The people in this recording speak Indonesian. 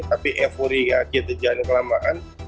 tapi eufori ya kita jangan kelamaan